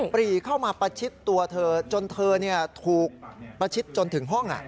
ปรีเข้ามาประชิดตัวเธอจนเธอถูกประชิดจนถึงห้อง